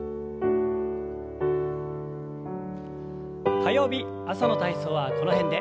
火曜日朝の体操はこの辺で。